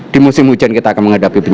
di musim hujan kita akan menghadapi bencana